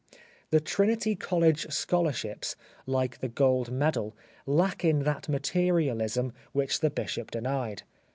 The Trinity College Scholarships, like the Gold Medal, lack in that materialism which the Bishop denied.